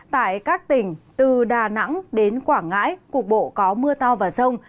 tại các tỉnh từ đà nẵng đến quảng ngãi cục bộ có mưa to và rông